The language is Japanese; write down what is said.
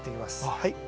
はい。